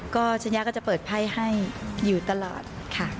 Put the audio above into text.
ก็สัญญาก็จะเปิดไพ่ให้อยู่ตลอดค่ะ